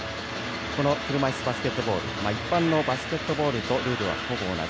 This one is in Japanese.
この車いすバスケットボールは一般のバスケットボールとルールはほぼ同じ。